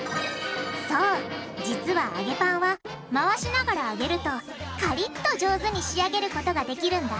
そう実は揚げパンは回しながら揚げるとカリッと上手に仕上げることができるんだ！